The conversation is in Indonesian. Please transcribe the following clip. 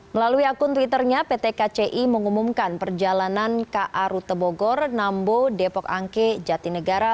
melalui akun twitternya pt kci mengumumkan perjalanan ka rute bogor nambo depok angke jatinegara